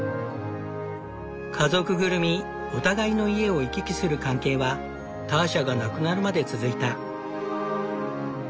家族ぐるみお互いの家を行き来する関係はターシャが亡くなるまで続いた。